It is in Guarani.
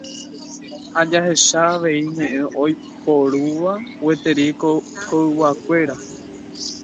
ha jahecha avei ñe'ẽ oiporúva gueteri koyguakuéra.